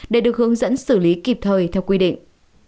để được hướng dẫn xử lý kịp thời theo quy định